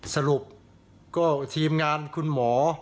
สรุปก็ทีมงานคุณหมอ